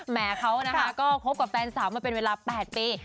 แม่เขาก็คบกับแฟนสาวมาเป็นเวลา๘ปี